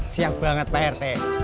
siap banget pak rtt